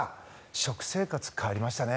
食生活、変わりましたね。